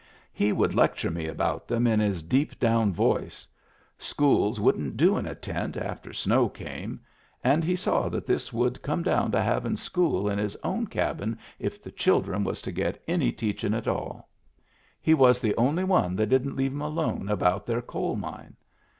He would lecture me about them in his deep down voice. School wouldn't do in a tent after snow came, and he saw that this would come down to Digitized by Google WHERE rr WAS 241 • havin* school in his own cabin if the children was to get any teachin' at all. He was the only one that didn't leave 'em alone about their coal mine.